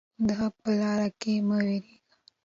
د حق په لاره کې مه ویریږئ.